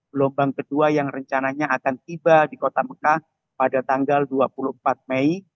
gelombang kedua yang rencananya akan tiba di kota mekah pada tanggal dua puluh empat mei